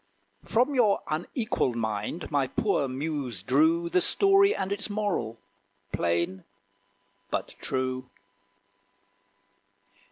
From your unequalled mind my poor muse drew The story and its moral, plain but true.